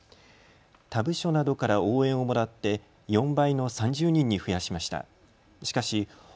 他部署などから応援をもらって４倍の３０人に増やしました。